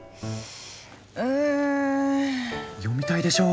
うん。読みたいでしょう？